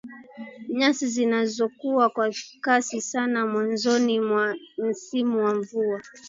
Nyasi zinazokua kwa kasi sana mwanzoni mwa msimu wa mvua